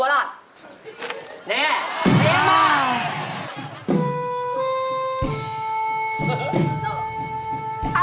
ปรับเทศไทย